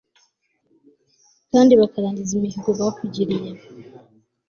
kandi bakarangiza imihigo bakugiriye